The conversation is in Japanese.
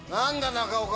中岡！